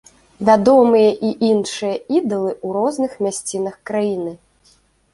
Вядомыя і іншыя ідалы ў розных мясцінах краіны.